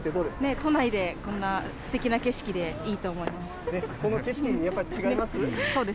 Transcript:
都内でこんなすてきな景色でいいと思います。